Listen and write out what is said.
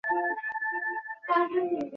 কোনো অস্ত্র নেই।